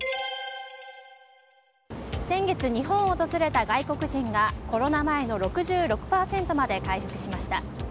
先月、日本を訪れた外国人がコロナ前の６６％まで回復しました。